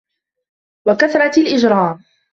وَكَثْرَةِ الْإِجْرَامِ